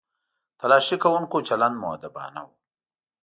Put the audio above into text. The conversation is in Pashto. تلاښي کوونکو چلند مؤدبانه و.